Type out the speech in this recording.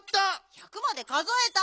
１００までかぞえた？